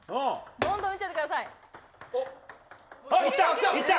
どんどん打っちゃってくださいった。